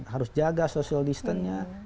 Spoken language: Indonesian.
harus jaga social distance nya